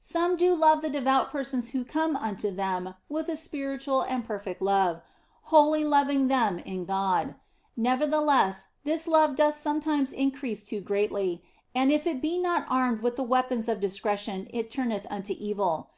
Some do love the devout persons who come unto them with a spiritual and perfect love, wholly loving them in God. Nevertheless, this love doth sometimes increase too greatly, and if it be not armed with the weapons of OF FOLIGNO 121 discretion it turneth unto evil.